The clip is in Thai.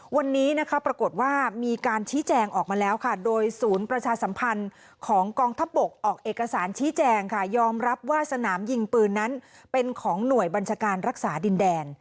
วันนี้นะคะปรากฏว่ามีการชี้แจงออกมาแล้วค่ะโดยศูนย์ประชาสัมพันธ์ของกองทัพบกออกเอกสารชี้แจงค่ะยอมรับว่าสนามยิงปืนนั้นเป็นของหน่วยบัญชาการรักษาดินแดน